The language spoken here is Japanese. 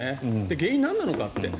原因、なんなのかって。